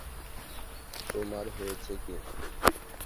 তোমার হয়েছে কী?